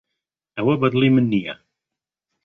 ئەوە بەدڵی من نییە.